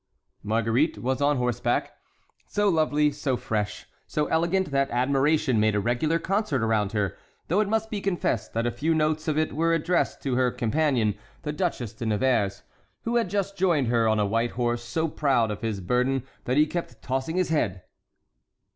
Marguerite was on horseback—so lovely, so fresh, so elegant that admiration made a regular concert around her, though it must be confessed that a few notes of it were addressed to her companion, the Duchesse de Nevers, who had just joined her on a white horse so proud of his burden that he kept tossing his head.